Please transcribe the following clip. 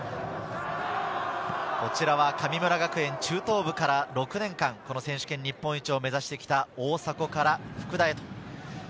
こちらは神村学園中等部から６年間、選手権日本一を目指してきた大迫から福田へ。